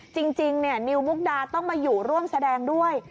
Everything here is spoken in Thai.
จริงนิวมุกดาต้องมาอยู่ร่วมแสดงด้วย